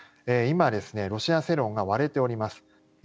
今、ロシア世論が割れております。